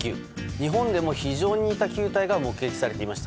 日本でも非常に似た球体が目撃されていました。